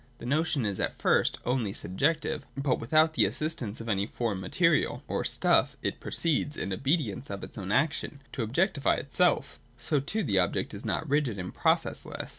The notion is at first only subjective : but without the assistance of any foreign material or stuff it proceeds, in obedience to its own action, to objectify itself So, too, the object is not rigid and processless.